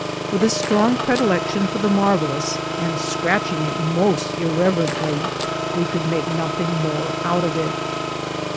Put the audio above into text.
With a strong predilection for the marvellous, and scratching it most irreverently, we could make nothing more out of it.